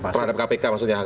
terhadap kpk maksudnya